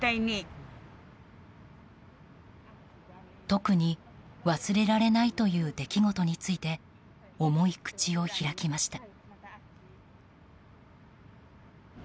特に忘れられないという出来事について重い口を開きました。